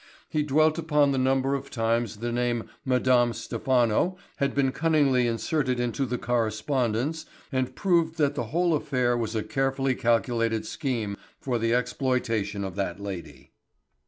He dwelt upon the number of times the name of Madame Stephano had been cunningly inserted into the correspondence and proved that the whole affair was a carefully calculated scheme for the exploitation of that lady.